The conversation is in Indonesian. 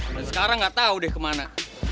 dan sekarang nggak tau deh kemana